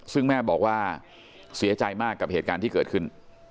ซึ่งแม่บอกว่าเสียใจมากกับเหตุการณ์ที่เกิดขึ้น